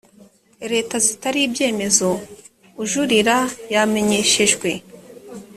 leta zitari ibyemezo ujurira yamenyeshejwe